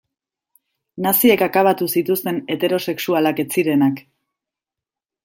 Naziek akabatu zituzten heterosexualak ez zirenak.